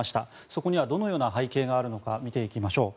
そこにはどのような背景があるのか、見ていきましょう。